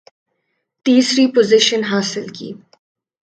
تیسری پوزیشن حاصل کی